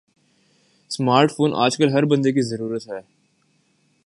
smart phone آج کل ہر بندے کی ضرورت ہے